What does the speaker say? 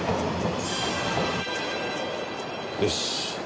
よし。